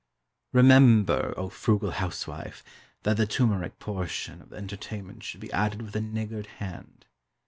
Remember, O frugal housewife, that the turmeric portion of the entertainment should be added with a niggard hand.